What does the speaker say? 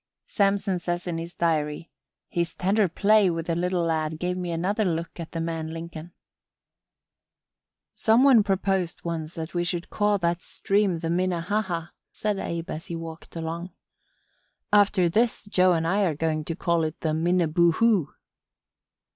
Samson says in his diary: "His tender play with the little lad gave me another look at the man Lincoln." "Some one proposed once that we should call that stream the Minnehaha," said Abe as he walked along. "After this Joe and I are going to call it the Minneboohoo."